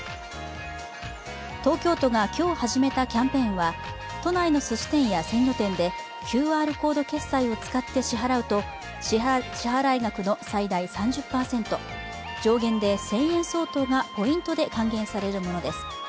東京都が今日始めたキャンペーンは都内のすし店や鮮魚店でＱＲコード決済を使って支払うと支払額の最大３０％、上限で１０００円程度がポイントで還元されるものです。